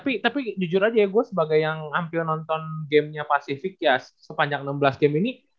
tapi tapi jujur aja ya gue sebagai yang hampir nonton gamenya pasifik ya sepanjang enam belas game ini